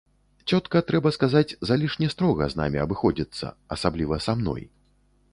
Цётка, трэба сказаць, залішне строга з намі абыходзіцца, асабліва са мной.